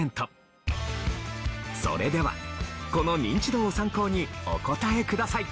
それではこのニンチドを参考にお答えください。